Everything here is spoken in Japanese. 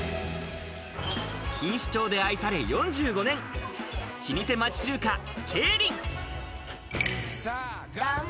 錦糸町で愛され４５年、老舗町中華・桂林。